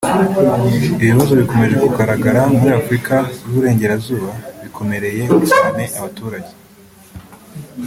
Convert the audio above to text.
Ibibazo bikomeje kugaragara muri Afurika y’u Burengerazuba bikomereye cyane abaturage